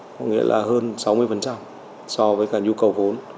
có nghĩa là hơn sáu mươi so với cả nhu cầu vốn